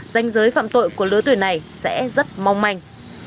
danh giới phạm tội của lứa tuổi này sẽ rất mong manh